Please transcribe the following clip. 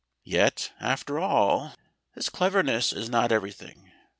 Yet, after all This cleverness is not everything.